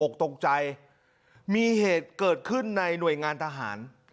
ตกใจมีเหตุเกิดขึ้นในหน่วยงานทหาร